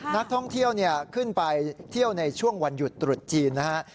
นักท่องเที่ยวขึ้นไปเที่ยวในช่วงวันหยุดตรุษจีนนะฮะ